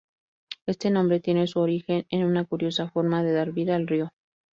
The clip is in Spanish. Este nombre tiene su origen en una curiosa forma de dar vida al río.